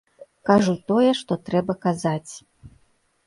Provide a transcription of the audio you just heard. Кажу тое, што трэба казаць.